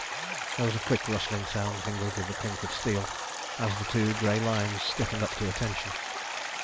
There was a quick rustling sound, mingled with the clink of steel, as the two grey lines stiffened up to attention.